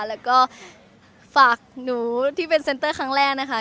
แล้วก็ฝากหนูที่เป็นเซ็นเตอร์ครั้งแรกนะคะ